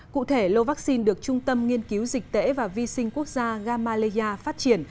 cụ thể lô vaccine được trung tâm nghiên cứu dịch tễ và vi sinh quốc gia gamaleya phát triển